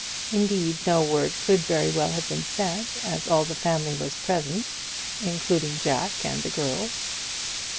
Indeed, no word could very well have been said, as all the family was present, including Jack and the girls.